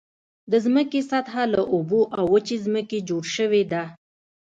د ځمکې سطحه له اوبو او وچې ځمکې جوړ شوې ده.